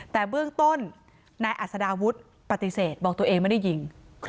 แต่เบื้องต้นนายอัศดาวุฒิปฏิเสธบอกตัวเองไม่ได้ยิง